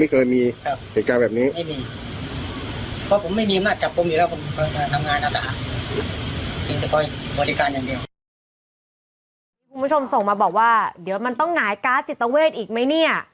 คุณผู้ชมส่งมาบอกว่าเดี๋ยวมันต้องหงายการ์ดจิตเวทอีกไหมเนี่ย